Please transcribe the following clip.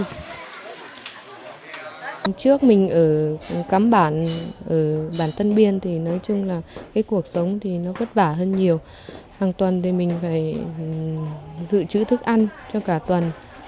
hôm trước mình ở cắm bản ở bản tân biên thì nói chung là cái cuộc sống thì nó vất vả hơn nhiều hàng tuần thì mình phải dự trữ thức ăn cho cả tuần